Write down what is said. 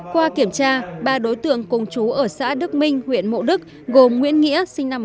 qua kiểm tra ba đối tượng công chú ở xã đức minh huyện mộ đức gồm nguyễn nghĩa sinh năm một nghìn chín trăm bảy mươi hai